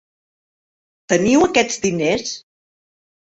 Teniu aquests diners?